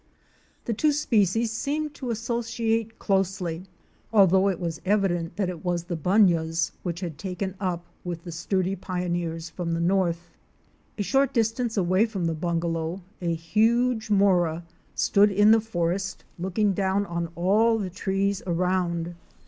The two species seemed to associate closely, although it was evident that it was the Bunyahs which had taken up with the sturdy pioneers from the North. A short distance away from the bungalow a huge Mora stood in the forest looking down on all the trees around.